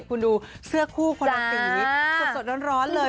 คุณดูเสื้อคู่คนละสีสดร้อนเลย